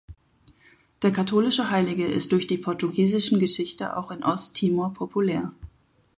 Der katholische Heilige ist durch die portugiesischen Geschichte auch in Osttimor populär.